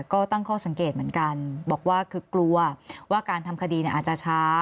ก็ตั้งข้อสังเกตเหมือนกันบอกว่าคือกลัวว่าการทำคดีอาจจะช้า